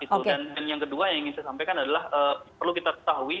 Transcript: dan yang kedua yang ingin saya sampaikan adalah perlu kita ketahui